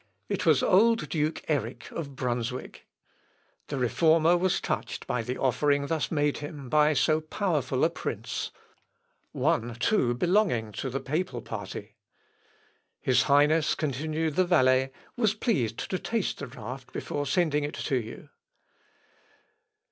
It was old Duke Erick of Brunswick. The Reformer was touched by the offering thus made him by so powerful a prince; one, too, belonging to the papal party. "His highness," continued the valet, "was pleased to taste the draught before sending it to you."